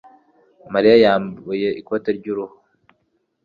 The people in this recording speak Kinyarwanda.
mariya yambuye ikoti ry'uruhu